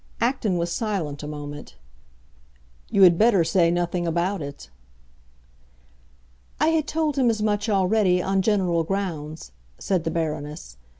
Acton was silent a moment. "You had better say nothing about it." "I had told him as much already, on general grounds," said the Baroness.